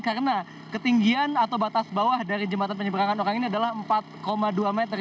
karena ketinggian atau batas bawah dari jembatan penyeberangan orang ini adalah empat dua meter